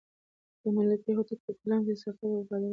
د ملکیار هوتک په کلام کې د صداقت او وفادارۍ غږ دی.